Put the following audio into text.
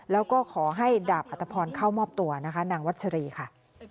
แล้วก็ขอให้ดาบอัตภพรเข้ามอบตัวนะคะนางวัชรีค่ะ